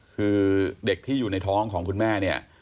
คือเด็กที่อยู่ในท้องของคุณแม่เนี่ย